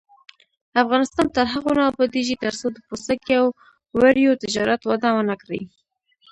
افغانستان تر هغو نه ابادیږي، ترڅو د پوستکي او وړیو تجارت وده ونه کړي.